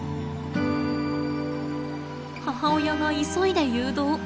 母親が急いで誘導。